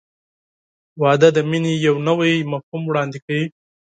• واده د مینې یو نوی مفهوم وړاندې کوي.